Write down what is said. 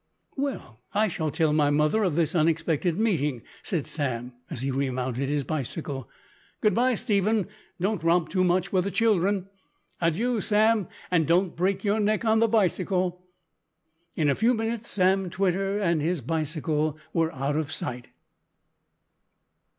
"Well, I shall tell my mother of this unexpected meeting," said Sam, as he remounted his bicycle. "Good bye, Stephen. Don't romp too much with the children!" "Adieu, Sam, and don't break your neck on the bicycle." In a few minutes Sam Twitter and his bicycle were out of sight.